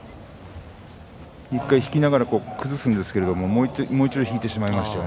１回引きながら崩すんですがもう一度落ちてしまいました。